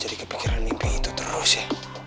kamu mengapa dua kepikiran mimpi itu terus ya